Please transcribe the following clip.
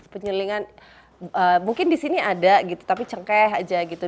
penyelingan mungkin di sini ada gitu tapi cengkeh aja gitu